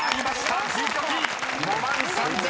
５万３，０２０円！］